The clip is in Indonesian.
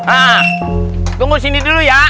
ah tunggu sini dulu ya